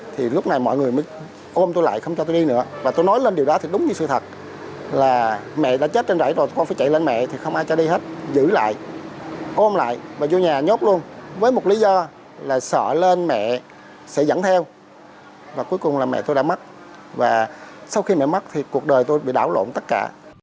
thì lúc này mọi người mới ôm tôi lại không cho tôi đi nữa và tôi nói lên điều đó thì đúng như sự thật là mẹ đã chết trên rãi rồi con phải chạy lên mẹ thì không ai cho đi hết giữ lại ôm lại và vô nhà nhốt luôn với một lý do là sợ lên mẹ sẽ dẫn theo và cuối cùng là mẹ tôi đã mất và sau khi mẹ mất thì cuộc đời tôi bị đảo lộn tất cả